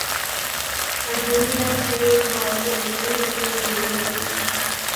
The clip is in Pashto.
حلزوني برخه یې په اوریدلو کې رول لري.